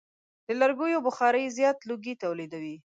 د لرګیو بخاري زیات لوګی تولیدوي.